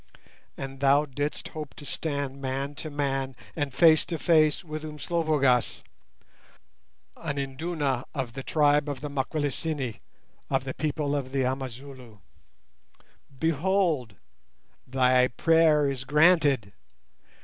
And thou didst hope to stand man to man and face to face with Umslopogaas, an Induna of the tribe of the Maquilisini, of the people of the Amazulu? Behold, thy prayer is granted!